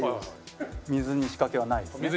水に仕掛けはないですね？